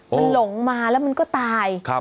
มันหลงมาแล้วมันก็ตาย